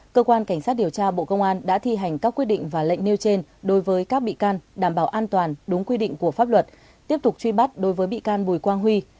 cơ quan cảnh sát điều tra bộ công an đã thi hành các quyết định và lệnh nêu trên đối với các bị can đảm bảo an toàn đúng quy định của pháp luật tiếp tục truy bắt đối với bị can bùi quang huy